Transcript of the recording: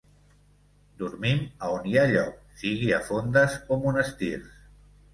Dormim a on hi ha lloc, sigui a fondes o monestirs.